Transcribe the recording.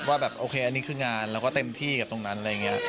ว่าแบบโอเคอันนี้คืองานเราก็เต็มที่กับตรงนั้นอะไรอย่างนี้